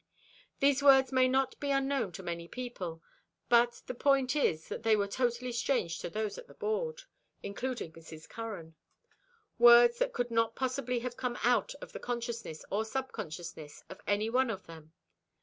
These words may be not unknown to many people, but the point is that they were totally strange to those at the board, including Mrs. Curran—words that could not possibly have come out of the consciousness or subconsciousness of any one of them.